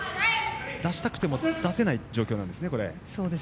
出したくても出せない状況ですね。